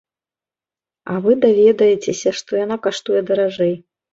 А вы даведаецеся, што яна каштуе даражэй.